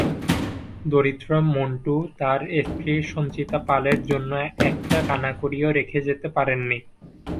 দরিদ্র মন্টু তাঁর স্ত্রী সঞ্চিতা পালের জন্য একটা কানাকড়িও রেখে যেতে পারেননি।